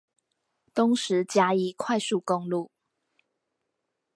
東石嘉義快速公路